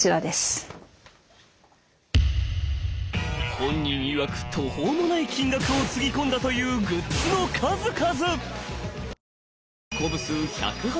本人いわく途方もない金額をつぎ込んだというグッズの数々。